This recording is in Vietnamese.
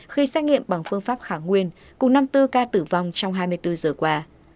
khi xét nghiệm bằng phương pháp khả nguyên cùng năm mươi bốn ca tử vong trong hai mươi bốn giờ qua